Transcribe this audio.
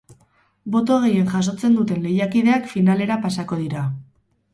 Boto gehien jasotzen duten lehiakideak finalera pasako dira.